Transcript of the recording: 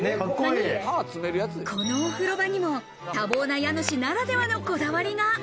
このお風呂場にも、多忙な家主ならではのこだわりが。